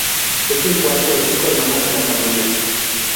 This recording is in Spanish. Es el cuarto de cinco hermanas en la familia.